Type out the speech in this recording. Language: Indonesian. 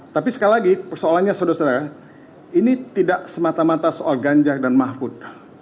tapi sekali lagi persoalannya saudara saudara ini tidak semata mata soal ganjar dan mahfud